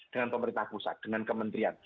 dengan pemerintah pusat dengan kementerian